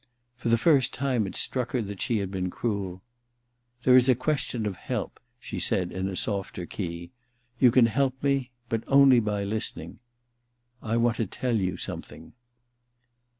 For the first time it struck her that she had been cruel. * There is a question of help,' she said in a softer key ;* you can help me ; but only by listening. ... I want to tell you something.